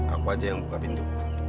aku aja yang buka pintu